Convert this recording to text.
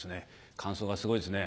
感想がすごいですね